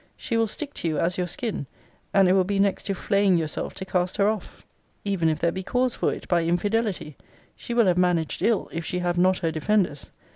She will stick to you as your skin: and it will be next to flaying yourself to cast her off. Even if there be cause for it, by infidelity, she will have managed ill, if she have not her defenders.